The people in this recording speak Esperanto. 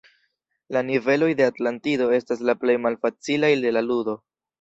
La niveloj de Atlantido estas la plej malfacilaj de la ludo.